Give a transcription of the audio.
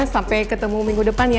sampai ketemu minggu depan ya